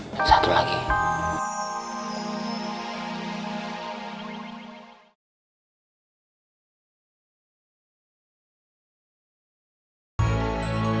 gue tau gue tau gue tau ini bukan cara wario